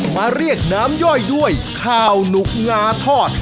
มาเรียกน้ำย่อยด้วยข้าวหนุกงาทอด